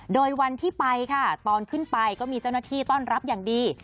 โดยวันที่ไปค่ะตอนขึ้นไปก็มีเจ้าหน้าที่ต้อนรับอย่างดี